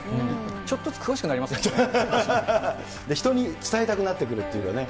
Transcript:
ちょっとずつ詳しくなりますで、人に伝えたくなってくるっていうかね。